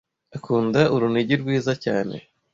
Akunda urunigi rwiza cyane.